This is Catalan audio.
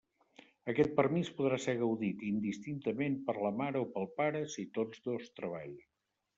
Aquest permís podrà ser gaudit indistintament per la mare o pel pare si tots dos treballen.